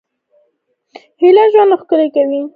هیلې ژوند ښکلی کوي